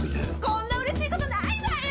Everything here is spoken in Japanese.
こんなうれしいことないわよ！